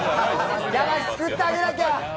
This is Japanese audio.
ヤバい、救ってあげなきゃ。